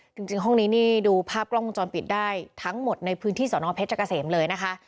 จริงห้องนี้นี่ดูภาพกล้องวงจรปิดได้ทั้งหมดในพื้นที่สอนอเพชรเกษมเลยนะคะ